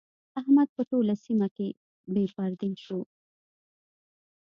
احمد په ټوله سيمه کې بې پردې شو.